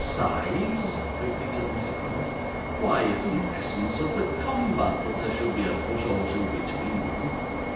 'Size!' repeated Mr. Crummles; 'why, it's the essence of the combat that there should be a foot or two between them.